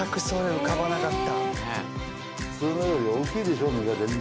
普通のより大きいでしょ実が全然。